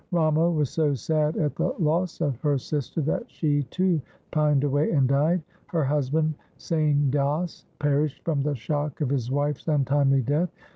Ramo was so sad at the loss of her sister, that she too pined away and died. Her husband, Sain Das, perished from the shock of his wife's untimely death.